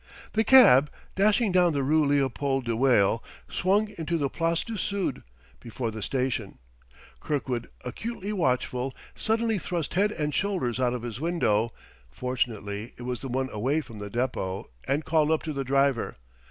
The cab, dashing down the Rue Leopold de Wael, swung into the Place du Sud, before the station. Kirkwood, acutely watchful, suddenly thrust head and shoulders out of his window (fortunately it was the one away from the depot), and called up to the driver.